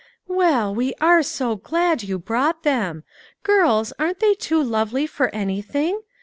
"Well, we are so glad you brought them! Girls, aren 't they too lovely for anything